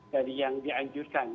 dari yang dianjurkan